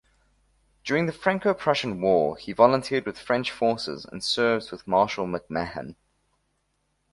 During the Franco-Prussian War he volunteered with French forces and served with Marshal MacMahon.